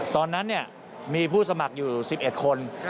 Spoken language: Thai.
ตอนนั้นมีผู้สมัครอยู่๑๑คน